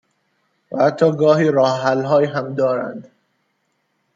و حتی گاهی راه حل هایی هم دارند